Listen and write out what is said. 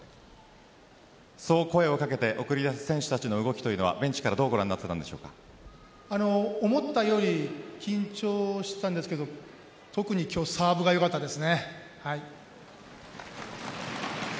そう声をかけて送り出す選手たちの動きというのはベンチからどうご覧に思ったより緊張したんですけど特に今日サーブがよかったですね。